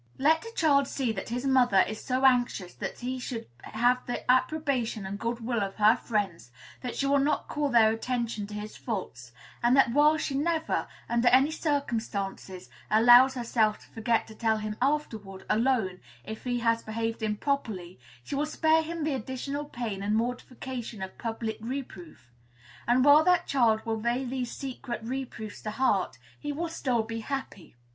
Let a child see that his mother is so anxious that he should have the approbation and good will of her friends that she will not call their attention to his faults; and that, while she never, under any circumstances, allows herself to forget to tell him afterward, alone, if he has behaved improperly, she will spare him the additional pain and mortification of public reproof; and, while that child will lay these secret reproofs to heart, he will still be happy.